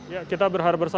ya kita berharap bersama